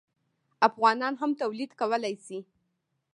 افغانان هم تولید کولی شي.